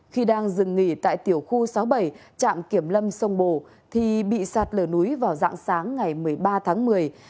khi đang dừng nghỉ tại tiểu khu sáu mươi bảy trạm kiểm lâm sông bồ thì bị sạt lở núi vào dạng sáng ngày một mươi ba tháng một mươi